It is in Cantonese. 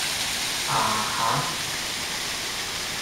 啊呀